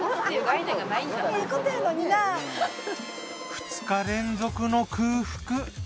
２日連続の空腹。